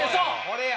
これや！